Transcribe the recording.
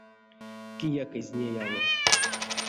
Кияк эзь неяво.